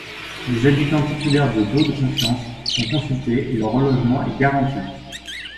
Les habitants titulaires de baux de confiance sont consultés et leur relogement est garanti.